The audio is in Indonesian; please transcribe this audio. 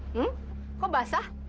hmm kok basah